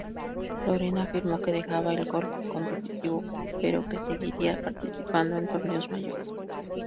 Lorena afirmó que dejaba el golf competitivo, pero que seguiría participando en torneos mayores.